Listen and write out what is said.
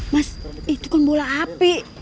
mas itu pun bola api